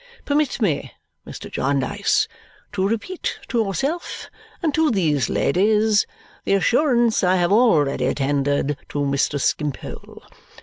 Permit me, Mr. Jarndyce, to repeat to yourself, and to these ladies, the assurance I have already tendered to Mr. Skimpole.